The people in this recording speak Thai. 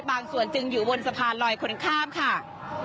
บางส่วนจึงอยู่บนสะพานลอยคนข้ามค่ะ